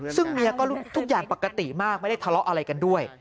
ซึ่งเมียก็ทุกอย่างปกติมากไม่ได้ทะเลาะอะไรกันด้วย